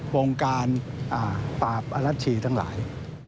วงการปราบอรัชชีทั้งหลาย